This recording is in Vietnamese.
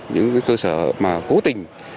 những cơ sở mà cố tình